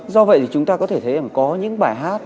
do vậy thì chúng ta có thể thấy là có những bài